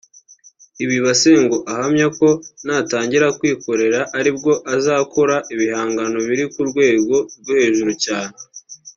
Idi Basengo ahamya ko natangira kwikorera aribwo azakora ibihangano biri ku rwego rwo hejuru cyane